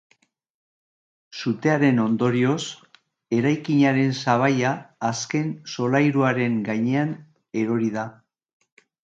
Sutearen ondorioz, eraikinaren sabaia azken solairuaren gainean erori da.